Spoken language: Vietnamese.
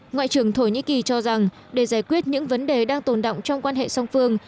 ngoại trưởng thổ nhĩ kỳ cho rằng để giải quyết những vấn đề đang tồn động trong quan hệ song phương